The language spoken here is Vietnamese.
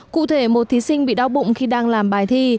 cụ thể một thí sinh bị đau bụng khi đang làm bài thi